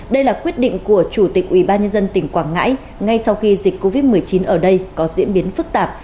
đây là quyết định của chủ tịch ubnd tỉnh quảng ngãi ngay sau khi dịch covid một mươi chín ở đây có diễn biến phức tạp